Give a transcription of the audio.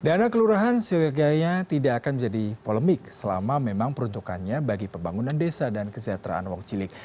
dana kelurahan seogak ogaknya tidak akan menjadi polemik selama memang peruntukannya bagi pembangunan desa dan kesejahteraan wakil